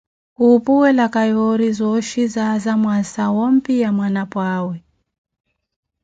Khupuwela yoori, zooxhi zaaza mwaasa wompiya mwanapwa awe.